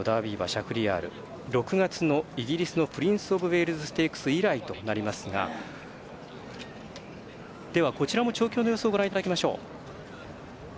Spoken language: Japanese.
シャフリヤール６月のイギリスのプリンスオブウェールズステークス以来となりますがこちらも調教の様子をご覧いただきます。